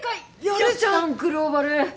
やるじゃんグローバル！